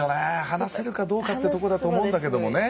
話せるかどうかってとこだと思うんだけどもね。